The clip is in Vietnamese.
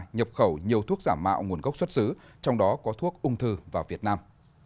nhập khẩu nhiều thuốc giả mạo nguồn gốc xuất xứ trong đó có thuốc ung thư vào việt nam